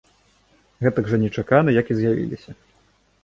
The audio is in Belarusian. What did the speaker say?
Гэтак жа нечакана, як і з'явіліся.